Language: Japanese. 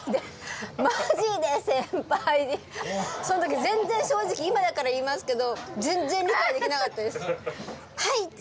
その時全然正直今だから言いますけどはい！